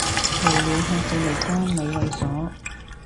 露鳥嚇細路哥咪猥褻